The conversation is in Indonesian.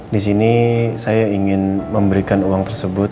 disini saya ingin memberikan uang tersebut